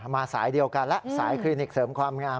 สายเดียวกันแล้วสายคลินิกเสริมความงาม